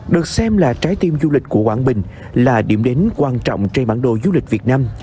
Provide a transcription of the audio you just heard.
được xem là trái tim du lịch của quảng bình là điểm đến quan trọng trên bản đồ du lịch việt nam